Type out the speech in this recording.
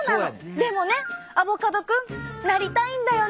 でもねアボカドくんなりたいんだよね